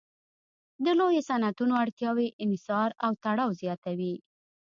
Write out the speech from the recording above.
د لویو صنعتونو اړتیاوې انحصار او تړاو زیاتوي